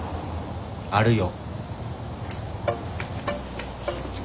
あるよ。